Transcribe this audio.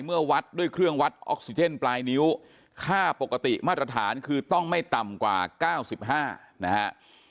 เมื่อวัดด้วยเครื่องวัดออกซิเจนปลายนิ้วค่าปกติมาตรฐานคือต้องไม่ต่ำกว่า๙๕นะฮะ